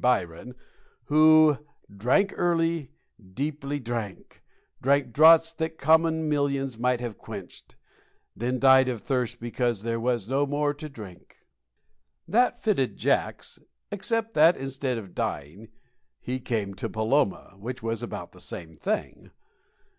Byron who "Drank early; deeply drank drank draughts that common millions might have quenched; then died of thirst because there was no more to drink." That fitted Jacks, except that, instead of dying, he came to Paloma, which was about the same thing.